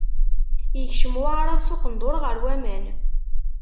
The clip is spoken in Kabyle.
Yekcem Waɛrab s uqendur ɣer waman.